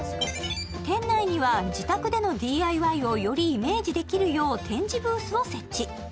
店内には自宅でのＤＩＹをよりイメージできるよう展示ブースを設置。